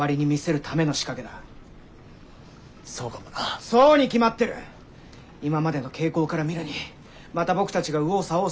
今までの傾向から見るにまた僕たちが右往左往するのを見て楽しんでるんだ。